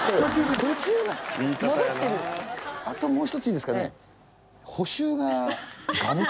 あともう一ついいですかね？